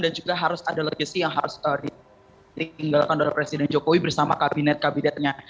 dan juga harus ada legasi yang harus ditinggalkan oleh presiden jokowi bersama kabinet kabinetnya